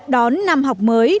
đón năm học mới